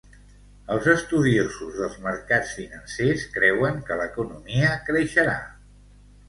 Els estudiosos dels mercats financers creuen que l'economia creixerà.